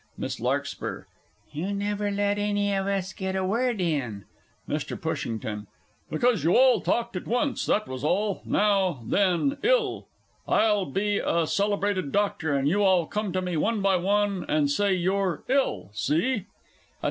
MISS LARKSPUR. You never let any of us get a word in! MR. PUSHINGTON. Because you all talked at once, that was all. Now then "ill." I'll be a celebrated Doctor, and you all come to me one by one, and say you're ill see?